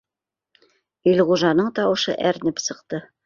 — Илғужаның тауышы әрнеп сыҡты